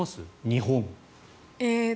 日本。